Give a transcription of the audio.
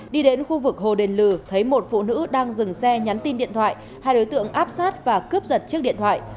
đi đến khu vực hồ đền lử thấy một phụ nữ đang dừng xe nhắn tin điện thoại hai đối tượng áp sát và cướp giật chiếc điện thoại